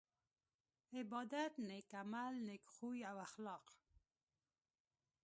عبادت نيک عمل نيک خوي او اخلاق